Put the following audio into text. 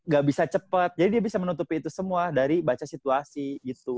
gak bisa cepat jadi dia bisa menutupi itu semua dari baca situasi gitu